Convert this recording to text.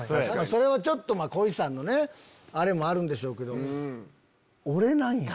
それは恋さんのあれもあるんでしょうけど。